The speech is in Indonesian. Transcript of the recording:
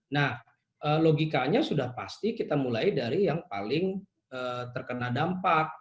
nah logikanya sudah pasti kita mulai dari yang paling terkena dampak